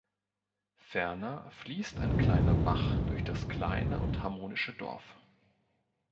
Ferner fließt ein kleiner Bach durch das kleine und harmonische Dorf.